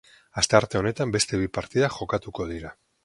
Astearte honetan beste bi partida jokatuko dira.